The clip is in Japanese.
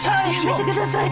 やめてください！